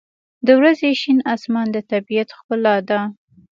• د ورځې شین آسمان د طبیعت ښکلا ده.